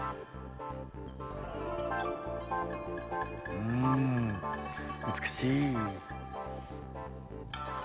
うん難しい。